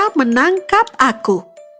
jangan menangkap aku